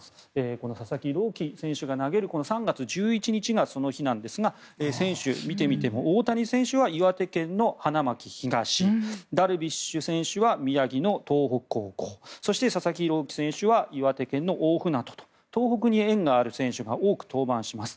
この佐々木朗希選手が投げる３月１１日がその日なんですが選手を見てみても大谷選手は岩手県の花巻東ダルビッシュ選手は宮城の東北高校そして、佐々木朗希選手は岩手・大船渡と東北に縁がある選手が多く登板します。